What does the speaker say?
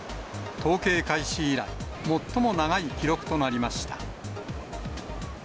統計開始以来、最も長い記録となりました。